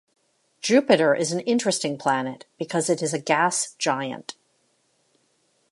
Jupiter is an interesting planet because it is a gas giant.